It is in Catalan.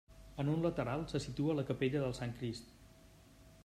En un lateral se situa la capella del Sant Crist.